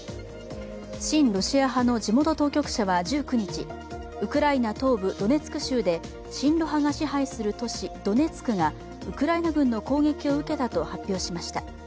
親ロシア派の地元当局者は１９日ウクライナ東部ドネツク州で親ロ派が支配する地域、ドネツクでウクライナ軍の攻撃を受けたと発表しました。